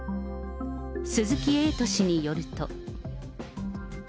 鈴木エイト氏によると。